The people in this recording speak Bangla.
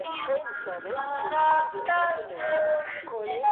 তিনি ঐ স্কুলের সভাপতি ছিলেন।